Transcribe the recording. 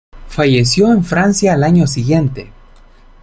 Falleció en Francia al año siguiente.